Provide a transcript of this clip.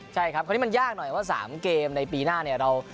ใช่ครับคราวนี้มันยากหน่อยว่า๓เกมในปีหน้าเนี่ย